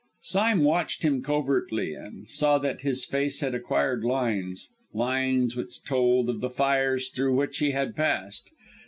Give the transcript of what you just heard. Sime watched him covertly, and saw that his face had acquired lines lines which told of the fires through which he had passed.